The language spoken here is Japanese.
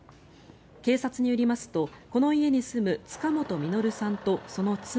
警察によりますとこの家に住む塚本実さんとその妻